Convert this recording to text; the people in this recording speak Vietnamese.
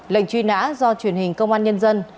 lệnh truy nã do truyền hình công an nhân dân